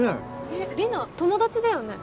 えっリナ友達だよね？